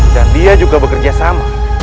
dan dia juga bekerjasama